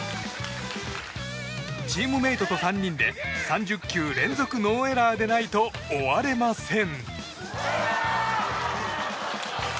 チームメートと３人で３０球連続ノーエラーでないと終われません。